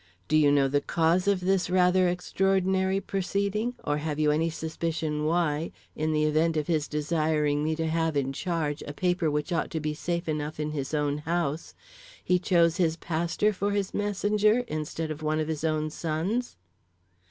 Do you know the cause of this rather extraordinary proceeding, or have you any suspicion why, in the event of his desiring me to have in charge a paper which ought to be safe enough in his own house, he choose his pastor for his messenger instead of one of his own sons?"